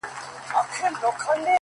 او اکاډمیکو هستیو سره